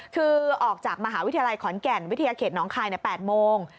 คือออกจากมหาวิทยาลัยขอนแก่นวิทยาเขตน้องคาย๘โมง